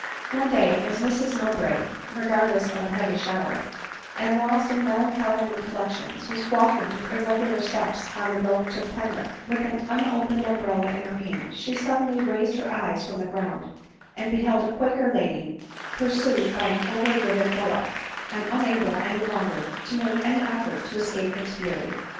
One day as Mrs Mowbray, regardless of a heavy shower, and lost in melancholy reflections, was walking with irregular steps on the road to Penrith, with an un opened umbrella in her hand, she suddenly raised her eyes from the ground, and beheld a quaker lady pursued by an over driven bullock, and unable any longer to make <a ADELINE MOWBRAY. 391 an effort to escape its fury.